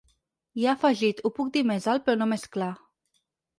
I ha afegit: Ho puc dir més alt però no més clar.